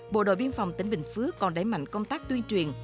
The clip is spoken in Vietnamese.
bộ đội biên phòng tỉnh bình phước còn đẩy mạnh công tác tuyên truyền